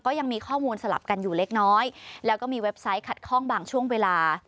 ก็ยังมีข้อมูลสลับกันอยู่เล็กน้อยแล้วก็มีเว็บไซต์ขัดข้องบางช่วงเวลา